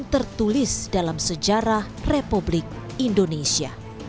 dan tertulis dalam sejarah republik indonesia